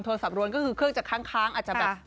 โทรศัพท์รวรก็คือเครื่องจะค้างอาจจะแบบ